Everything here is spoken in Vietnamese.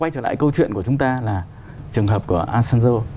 đó là trường hợp của asanjo